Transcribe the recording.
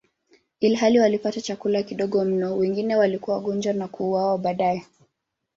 Ilhali walipata chakula kidogo mno, wengi walikuwa wagonjwa na kuuawa baadaye.